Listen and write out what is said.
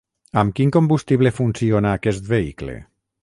Amb quin combustible funciona aquest vehicle?